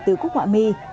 từ cúc họa mi